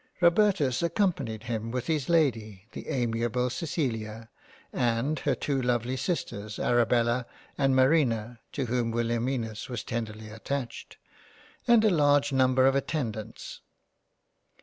Robertus accompanied him, with his Lady the amiable Cecilia and her two lovely Sisters Arabella and Marina to whom Wilhelminus was tenderly attached, and a large number of Attendants.